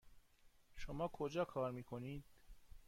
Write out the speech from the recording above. شما کجا کار میکنید؟